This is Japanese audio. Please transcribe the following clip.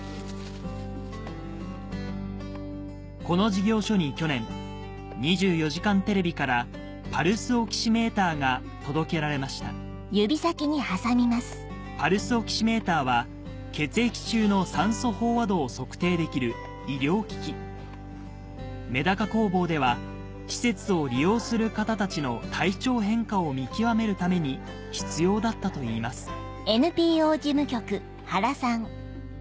この事業所に去年『２４時間テレビ』からパルスオキシメーターが届けられましたパルスオキシメーターは血液中の酸素飽和度を測定できる医療機器めだか工房では施設を利用する方たちの体調変化を見極めるために必要だったといいます